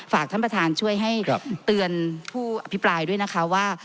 ฝากท่านประธานช่วยให้เตือนผู้อภิปรายด้วยนะคะว่า